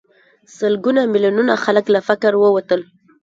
سلګونه میلیونه خلک له فقر ووتل.